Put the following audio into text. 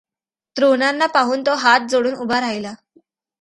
द्रोणांना पाहून तो हात जोडून उभा राहिला.